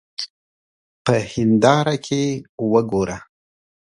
په هېنداره کې وګوره.